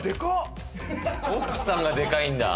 奥さんが、でかいんだ。